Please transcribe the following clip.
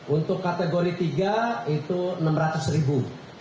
untuk kategori tiga itu enam ratus ribu